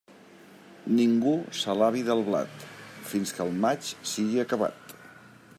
Ningú s'alabi del blat, fins que el maig sigui acabat.